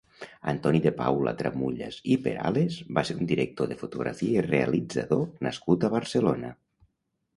Antoni de Paula Tramullas i Perales va ser un director de fotografia i realitzador nascut a Barcelona.